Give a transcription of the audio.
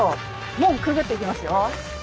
門くぐっていきますよ。